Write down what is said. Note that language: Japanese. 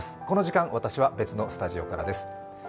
この時間、私は別のスタジオからです。